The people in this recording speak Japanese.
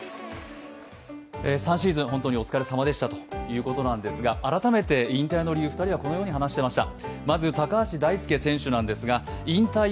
３シーズン、本当にお疲れさまでしたということですが改めて引退の理由、２人はこのように話していました。